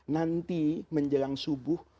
nanti menjelang subuh